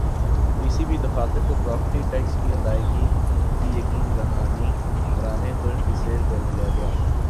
پی C B دفاتر کو property tax کی ادائیگی کی یقین دہانی کرانے پر ڈی سیل کر دیا گیا